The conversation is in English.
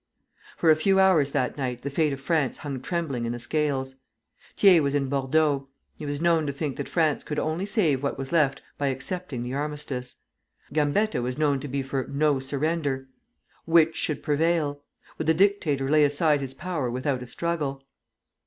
For a few hours that night the fate of France hung trembling in the scales. Thiers was in Bordeaux. He was known to think that France could only save what was left by accepting the armistice. Gambetta was known to be for No Surrender! Which should prevail? Would the dictator lay aside his power without a struggle?